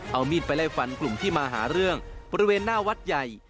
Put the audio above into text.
เอามีดไปไล่ฟันกลุ่มที่มาหาเรื่องบริเวณหน้าวัดใหญ่